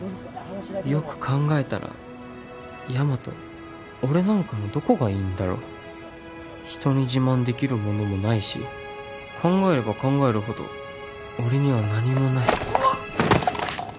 よく考えたらヤマト俺なんかのどこがいいんだろ人に自慢できるものもないし考えれば考えるほど俺には何もないうわっ！